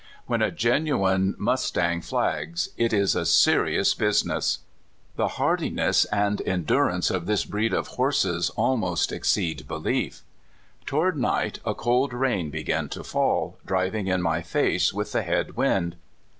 When a genuine mustang flags it is a serious business. The hardiness and endurance of this breed of horses almost exceed belief. Toward night a cold rain began to fall, driving in my face with the head wind.